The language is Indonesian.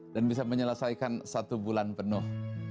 dan bisa menyelesaikan satu bulan penuh